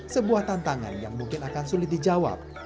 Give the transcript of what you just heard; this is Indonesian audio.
sebuah tantangan yang mungkin akan sulit dijawab